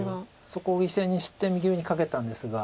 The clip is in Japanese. そこを犠牲にして右上に賭けたんですが。